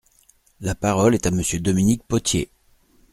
La parole est à Monsieur Dominique Potier.